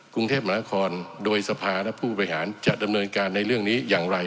กรุงเทพมหานครโดยสภาและผู้บริหารจะดำเนินการในเรื่องนี้อย่างไร